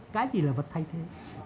cái gì là vật thay thế